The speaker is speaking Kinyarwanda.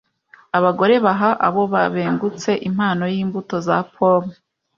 abagore baha abo babengutse impano y'imbuto za pome